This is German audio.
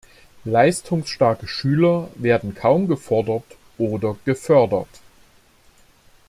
Leistungsstarke Schüler werden kaum gefordert oder gefördert.